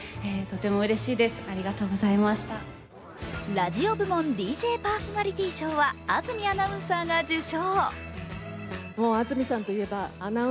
ラジオ部門ＤＪパーソナリティ賞は安住アナウンサーが受賞。